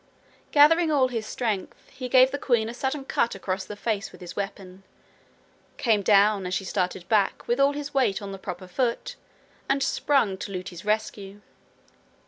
Gathering all his strength, he gave the queen a sudden cut across the face with his weapon, came down, as she started back, with all his weight on the proper foot, and sprung to Lootie's rescue.